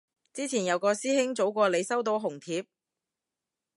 之前有個師兄早過你收到紅帖